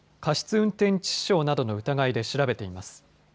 運転致傷などの疑いで調べています。